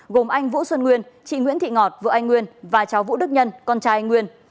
gồm anh vũ xuân nguyên chị nguyễn thị ngọt vợ anh nguyên và cháu vũ đức nhân con trai anh nguyên